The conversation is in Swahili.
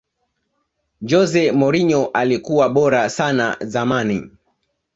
jose mourinho alikuwa bora sana zamani